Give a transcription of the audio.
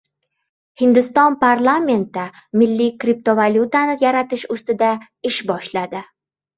Hindiston parlamenti milliy kriptovalyutani yaratish ustida ish boshladi